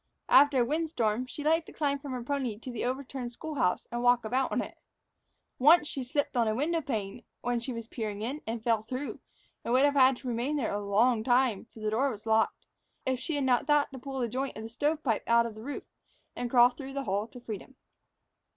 After a wind storm she liked to climb from her pony to the overturned school house and walk about on it. Once, she slipped on a window pane, when she was peering in, and fell through; and would have had to remain there a long time (for the door was locked), if she had not thought to pull the joint of stovepipe out of the roof and crawl through the hole to freedom.